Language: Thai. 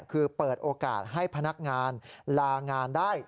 คือเปิดโอกาสให้พนักงานลางานได้